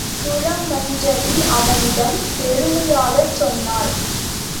சுரமஞ்சரி அவனிடம் பெருமையாகச் சொன்னாள்.